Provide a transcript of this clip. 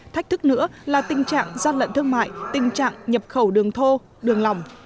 thách thức nữa là tình trạng gian lận thương mại tình trạng nhập khẩu đường thô đường lòng